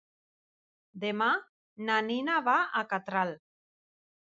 Demà na Nina va a Catral.